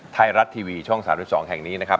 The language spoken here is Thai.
ไทยรัฐทีวีช่อง๓๒แห่งนี้นะครับ